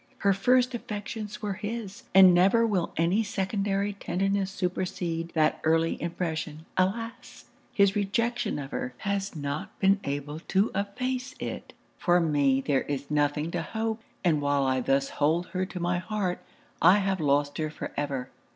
'Her first affections were his, and never will any secondary tenderness supersede that early impression. Alas! his rejection of her, has not been able to efface it For me, there is nothing to hope! and while I thus hold her to my heart, I have lost her for ever!